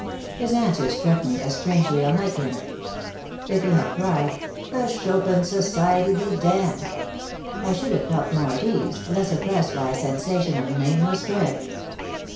His answer struck me as strangely unlike him. If he had cried, "The Chopin Society be damned!" I should have felt more at ease, less oppressed by a sensation of nameless dread.